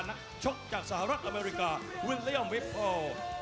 นักชกจากสหรัฐอเมริกาวิลเลียมวิฟโอ